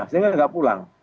saya kan tidak pulang